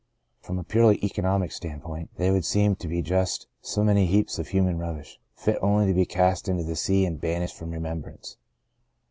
From a purely economic view point they would seem to be just so many heaps of human rubbish, fit only to be cast into the sea and banished from remembrance.